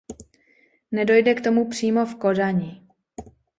Nedojde k tomu přímo v Kodani.